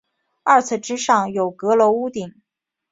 二层之上有阁楼屋顶。